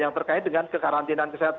yang terkait dengan kekarantinaan kesehatan